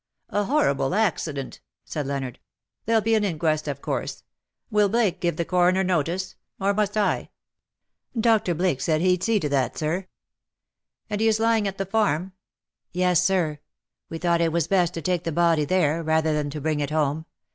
^^" A horrible accident," said Leonard. '' There'll be an inquest, of course. Will Blake give the coroner notice — or must I ?" c 2 20 "with such remorseless speed " Dr. Blake said he'd see to that. Sir/' " And he is lying at the farm ''" Yesj Sir. We thought it was hest to take the body there — rather than to bring it home.